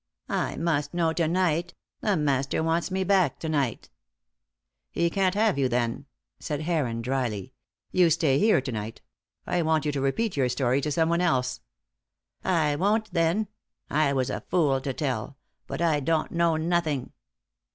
"I must know to night; the master wants me back to night." "He can't have you, then," said Heron, drily. "You stay here to night, I want you to repeat your story to someone else." "I won't then! I was a fool to tell; but I don't know nothing."